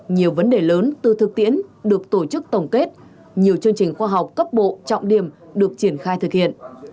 nhiều vấn đề lớn từ thực tiễn được tổ chức tổng kết nhiều chương trình khoa học cấp bộ trọng điểm được triển khai thực hiện